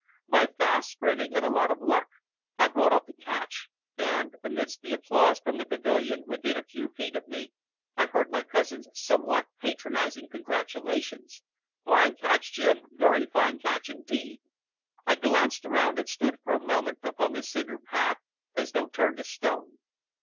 By fast sprinting, and a lot of luck, I brought off the catch, and, amidst the applause from the pavilion within a few feet of me, I heard my cousin's somewhat patronizing congratulations: "Fine catch, Jim! Very fine catch indeed!" I glanced round, and stood for a moment upon the cinder path as though turned to stone.